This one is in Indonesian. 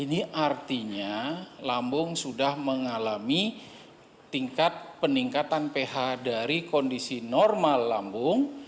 ini artinya lambung sudah mengalami tingkat peningkatan ph dari kondisi normal lambung